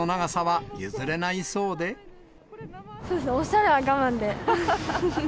ただ、おしゃれは我慢で。